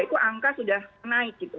itu angka sudah naik gitu